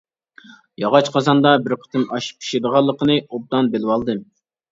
ياغاچ قازاندا بىر قېتىم ئاش پىشىدىغانلىقىنى ئوبدان بىلىۋالدىم.